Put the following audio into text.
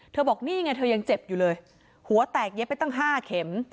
บอกนี่ไงเธอยังเจ็บอยู่เลยหัวแตกเย็บไปตั้ง๕เข็ม